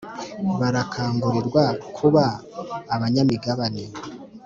barakangurirwa kuba abanya migabane